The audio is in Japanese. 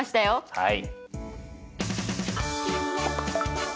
はい。